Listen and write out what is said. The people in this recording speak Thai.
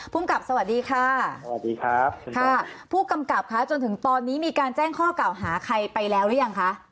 ภูมิกับสวัสดีค่ะสวัสดีครับค่ะผู้กำกับค่ะจนถึงตอนนี้มีการแจ้งข้อเก่าหาใครไปแล้วหรือยังคะ